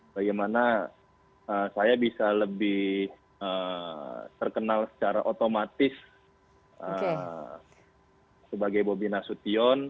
bagaimana saya bisa lebih terkenal secara otomatis sebagai bobi nasution